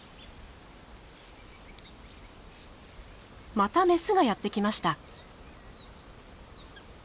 またメスがやって来ました。